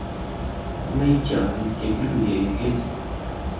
Amech tyong'ik ye kiruyie eng' kerti